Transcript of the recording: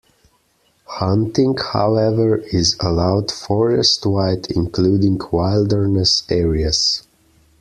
Hunting, however is allowed forest-wide including wilderness areas.